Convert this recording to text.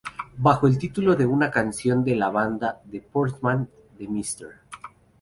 Bajo el título de una canción de la banda de Portman The Mr.